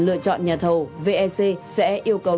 lựa chọn nhà thầu vec sẽ yêu cầu